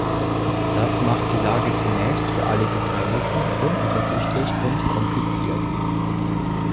Das macht die Lage zunächst für alle Beteiligten unübersichtlich und kompliziert.